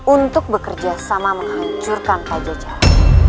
untuk bekerja sama menghancurkan pajak